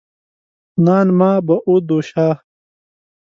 نان ما به او دو شا.